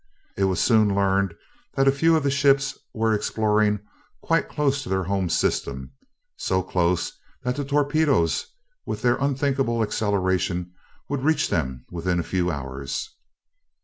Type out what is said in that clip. It was soon learned that a few of the ships were exploring quite close to their home system; so close that the torpedoes, with their unthinkable acceleration, would reach them within a few hours.